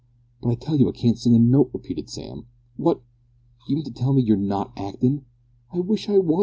"But I tell you I can't sing a note," repeated Sam. "What! D'ye mean to tell me you're not actin'?" "I wish I was!"